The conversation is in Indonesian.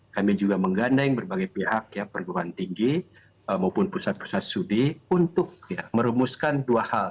kami juga menggandeng berbagai pihak ya perguruan tinggi maupun pusat pusat studi untuk merumuskan dua hal